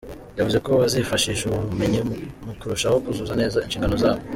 Yavuze ko bazifashisha ubu bumenyi mu kurushaho kuzuza neza inshingano zabo.